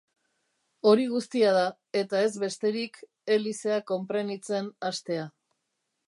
Hori guztia da, eta ez besterik, helizea konprenitzen hastea.